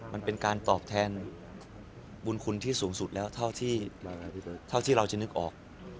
มันเป็นการตอบแทนบุญคุณที่สูงสุดแล้วเท่าที่เราจะนึกออก